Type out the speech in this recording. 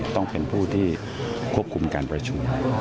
ต้องเป็นผู้ที่ควบคุมการประชุม